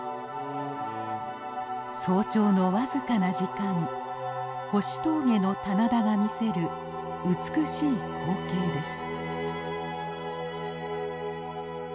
早朝のわずかな時間星峠の棚田が見せる美しい光景です。